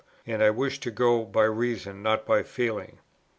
And I wish to go by reason, not by feeling."